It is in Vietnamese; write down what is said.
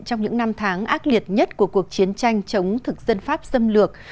trong những năm tháng ác liệt nhất của cuộc chiến tranh chống thực dân pháp xâm lược